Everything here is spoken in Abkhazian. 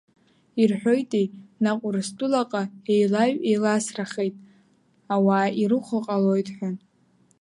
Ирҳәоитеи, наҟ Урыстәылаҟа еилаҩеиласрахеит, ауаа ирыхәо ҟалоит ҳәа.